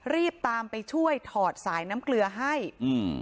รีบตามไปช่วยถอดสายน้ำเกลือให้อืม